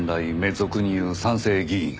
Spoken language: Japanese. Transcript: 俗に言う三世議員。